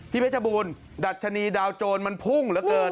เพชรบูรณ์ดัชนีดาวโจรมันพุ่งเหลือเกิน